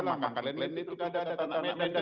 maka kalian lihat itu ada ada tanda tanda